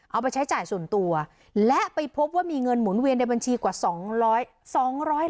เอาไปใช้จ่ายส่วนตัวและไปพบว่ามีเงินหมุนเวียนในบัญชีกว่า๒๐๐บาท